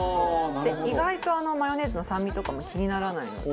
意外とマヨネーズの酸味とかも気にならないので。